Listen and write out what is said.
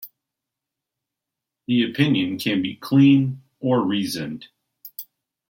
The opinion can be "clean" or "reasoned".